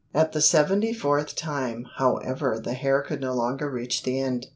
At the seventy fourth time, however, the hare could no longer reach the end.